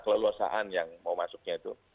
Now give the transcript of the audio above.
kelelosaan yang mau masuknya itu